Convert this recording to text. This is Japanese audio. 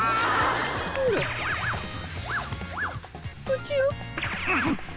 こっちよ！